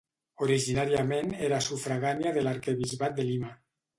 Originàriament era sufragània de l'arquebisbat de Lima.